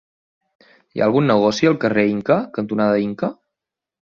Hi ha algun negoci al carrer Inca cantonada Inca?